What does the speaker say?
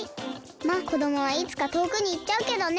まっこどもはいつかとおくにいっちゃうけどね。